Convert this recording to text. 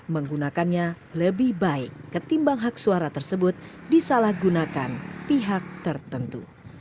menggunakannya lebih baik ketimbang hak suara tersebut disalahgunakan pihak tertentu